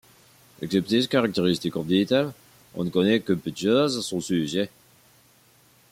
Excepté ses caractéristiques orbitales on ne connaît que peu de choses à son sujet.